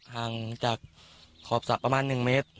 ห่างจากขอบสระประมาณ๑เมตร